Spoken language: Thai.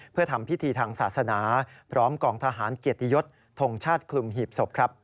เพื่อทำพิธีทางศาสนาพร้อมกองทหารเกียรติยศทงชาติคลุมหีบศพครับ